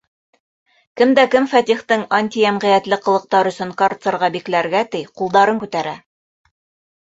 Кем дә кем Фәтихтең антийәмғиәтле ҡылыҡтары өсөн карцерға бикләргә ти, ҡулдарын күтәрә!